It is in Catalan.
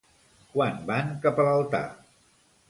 Quan van cap a l'altar?